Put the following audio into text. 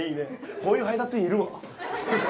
こういう配達員いるわハハハ